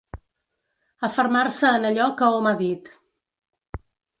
Afermar-se en allò que hom ha dit.